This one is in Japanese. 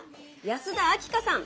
安田明夏さん。